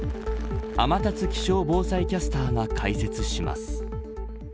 天達気象防災キャスターが解説します。